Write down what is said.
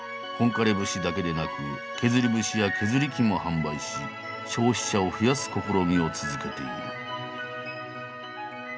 本枯節だけでなく削り節や削り器も販売し消費者を増やす試みを続けている。